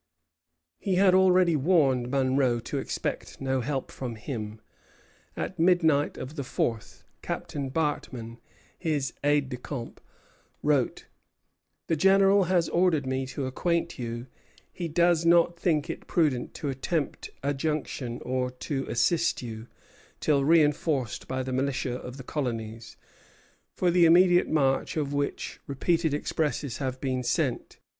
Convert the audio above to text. He had already warned Monro to expect no help from him. At midnight of the fourth, Captain Bartman, his aide de camp, wrote: "The General has ordered me to acquaint you he does not think it prudent to attempt a junction or to assist you till reinforced by the militia of the colonies, for the immediate march of which repeated expresses have been sent."